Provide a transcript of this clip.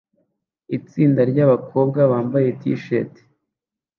Itsinda ryabakobwa bambaye t-shirt